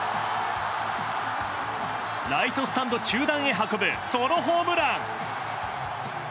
ライトスタンド中段へ運ぶソロホームラン。